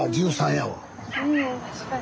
うん確かに。